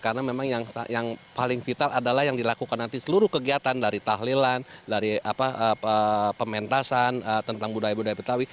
karena memang yang paling vital adalah yang dilakukan nanti seluruh kegiatan dari tahlilan dari pementasan tentang budaya budaya betawi